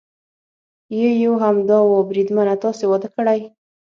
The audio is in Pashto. یې یو همدا و، بریدمنه تاسې واده کړی؟